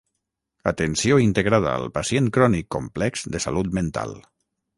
Atenció integrada al pacient crònic complex de salut mental.